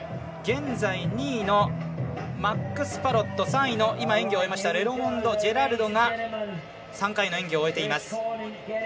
現在２位のマックス・パロット３位の今、演技を終えましたレドモンド・ジェラルドが３回の演技を終えています。